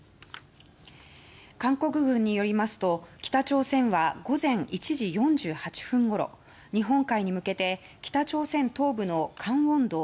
韓国軍によりますと北朝鮮は午前１時４８分ごろ日本海に向けて、北朝鮮東部のカンウォン道